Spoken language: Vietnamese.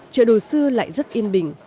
chợ đồ sư lại rất yên bình